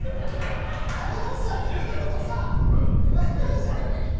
誰もこんなこと言わないじゃない。